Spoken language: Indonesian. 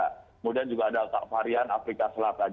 kemudian juga ada varian afrika selatan